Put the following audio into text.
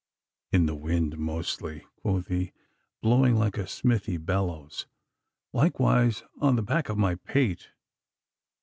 'In the wind, mostly,' quoth he, blowing like a smithy bellows; 'likewise on the back of my pate.